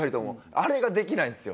あれができないんですよ。